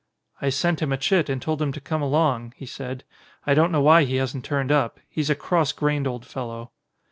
"I sent him a chit and told him to come along," he said. "I don't know why he hasn't turned up. He's a cross grained old fellow."